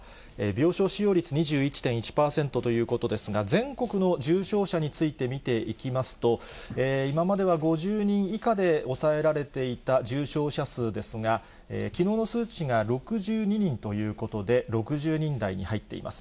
病床使用率２１．１％ということですが、全国の重症者について見ていきますと、今までは５０人以下で抑えられていた重症者数ですが、きのうの数値が６２人ということで、６０人台に入っています。